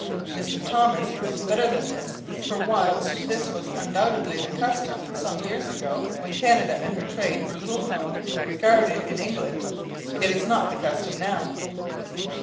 Mr. Thomas knows better than this, for, whilst this was undoubtedly the custom some years ago when Canada and her trade were little known or regarded in England, it is not the custom now.